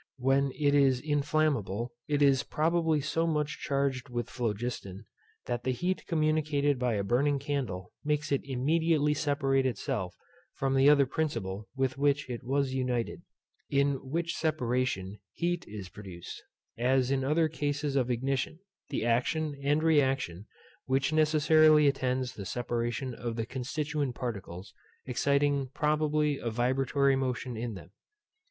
When it is inflammable, it is probably so much charged with phlogiston, that the heat communicated by a burning candle makes it immediately separate itself from the other principle with which it was united, in which separation heat is produced, as in other cases of ignition; the action and reaction, which necessarily attends the separation of the constituent principles, exciting probably a vibratory motion in them.